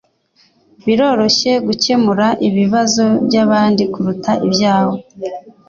Biroroshye gukemura ibibazo byabandi kuruta ibyawe.